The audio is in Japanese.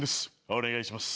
お願いします。